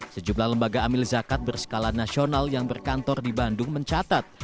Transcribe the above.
sejumlah lembaga amil zakat berskala nasional yang berkantor di bandung mencatat